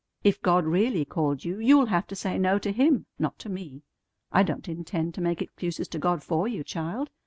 If God really called you, you'll have to say no to Him, not to me. I don't intend to make excuses to God for you, child.